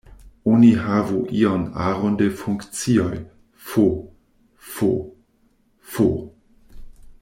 Oni havu iun aron de funkcioj "f", "f"..., "f".